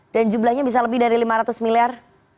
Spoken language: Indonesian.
dan jumlahnya bisa lebih dari lima ratus miliar